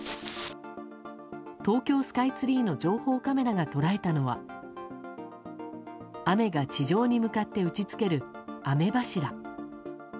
東京スカイツリーの情報カメラが捉えたのは雨が地上に向かって打ち付ける雨柱。